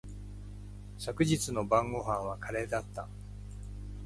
昨日の晩御飯はカレーだった。